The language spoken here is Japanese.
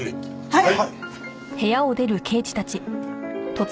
はい。